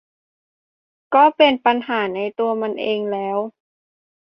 มันก็เป็นปัญหาในตัวมันเองแล้ว